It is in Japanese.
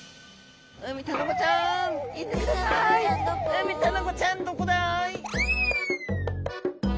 ウミタナゴちゃんどこだい？